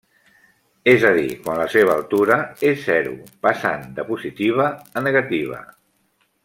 És a dir, quan la seva altura és zero, passant de positiva a negativa.